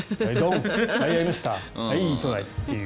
はい、やりましたはい、ちょうだいという。